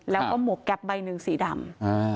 แล้วก็หมวกแก๊ปใบหนึ่งสีดำ